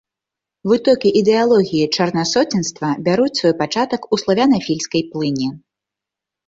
Вытокі ідэалогіі чарнасоценства бяруць свой пачатак у славянафільскай плыні.